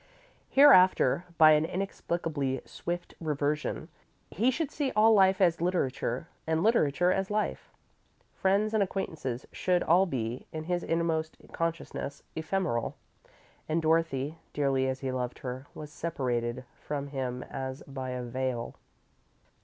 Hereafter, by an inexplicably swift reversion, he should see all life as literature, and literature as life. Friends and acquaintances should all be, in his inmost consciousness, ephemeral. And Dorothy dearly as he loved her, was separated from him as by a veil.